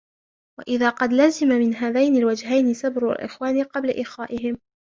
وَإِذًا قَدْ لَزِمَ مِنْ هَذَيْنِ الْوَجْهَيْنِ سَبْرُ الْإِخْوَانِ قَبْلَ إخَائِهِمْ